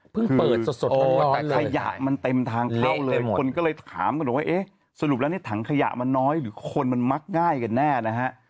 คือขยะมันเต็มทางเท่าเลยคนก็เลยถามสรุปแล้วนี่ถังขยะมันน้อยหรือคนมันมักง่ายกันแน่นะฮะ